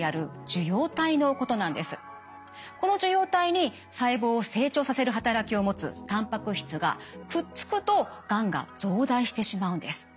この受容体に細胞を成長させる働きを持つたんぱく質がくっつくとがんが増大してしまうんです。